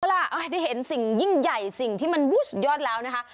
ล่ะได้เห็นสิ่งยิ่งใหญ่สิ่งที่มันสุดยอดแล้วนะคะ